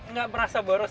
nggak merasa boros